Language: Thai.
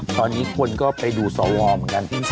ตอนนี้ควรก็ไปดูสวมกัน